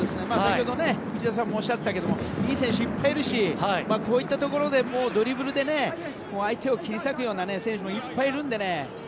先ほど、内田さんもおっしゃっていたけどいい選手、いっぱいいるしこういったところでドリブルで相手を切り裂くような選手もいっぱいいるのでね。